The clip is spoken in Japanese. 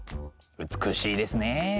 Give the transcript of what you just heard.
美しいですねえ。